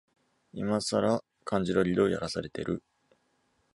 いまさら漢字ドリルをやらされてる